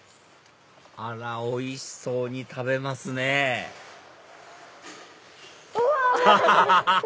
あらおいしそうに食べますねうわっ！